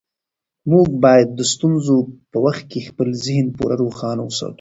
موږ باید د ستونزو په وخت کې خپل ذهن پوره روښانه وساتو.